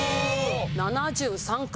７３回。